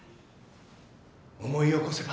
思い起こせば。